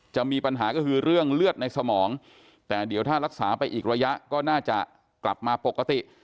จะมีปัญหาก็คือเรื่องเลือดในสมองแต่เดี๋ยวถ้ารักษาไปอีกระยะก็น่าจะกลับมาปกติ